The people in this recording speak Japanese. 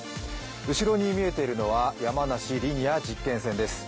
後ろに見えているのは、山梨リニア実験線です。